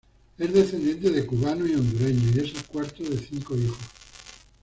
Es descendiente de cubanos y hondureños y es el cuarto de cinco hijos.